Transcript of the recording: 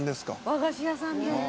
「和菓子屋さんです」